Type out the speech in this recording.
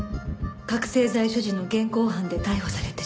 覚醒剤所持の現行犯で逮捕されてしまった。